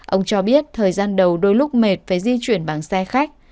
ông cho biết thời gian đầu đôi lúc mệt phải di chuyển bằng xe khách